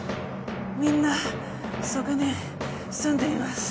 みんなそこに住んでいます